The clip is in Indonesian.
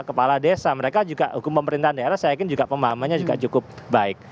kepala desa mereka juga hukum pemerintahan daerah saya yakin juga pemahamannya juga cukup baik